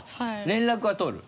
連絡は取る？